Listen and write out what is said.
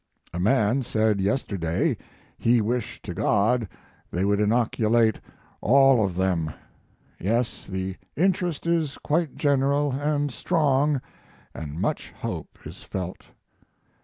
A man said yesterday he wished to God they would inoculate all of them. Yes, the interest is quite general and strong & much hope is felt.